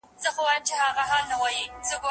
پر پلو چي دي یرغل وي زه به څنګه غزل لیکم